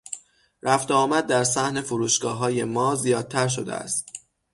رفت و آمد در صحن فروشگاههای ما زیادتر شده است.